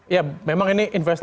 ya memang ini